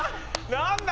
何だ？